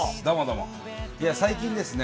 いや最近ですね